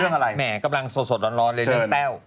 อะไรแหมกำลังสดร้อนเลยเรื่องแต้ว